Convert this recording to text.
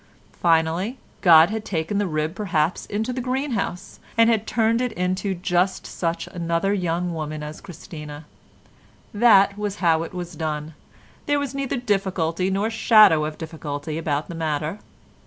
Finally, God had taken the rib perhaps into the greenhouse, and had turned it into just such another young woman as Christina. That was how it was done; there was neither difficulty nor shadow of difficulty about the matter.